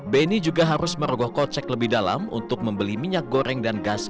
beni juga harus merogoh kocek lebih dalam untuk membeli minyak goreng dan gas